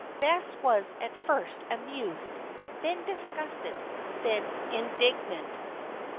Bess was at first amused, then disgusted, then indignant.